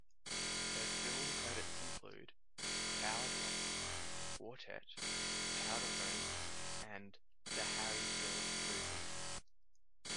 Her film credits include "Tower Block", "Quartet", "Powder Room" and "The Harry Hill Movie".